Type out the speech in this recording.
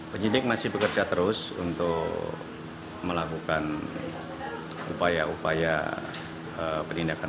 penyidik masih bekerja terus untuk melakukan upaya upaya penindakan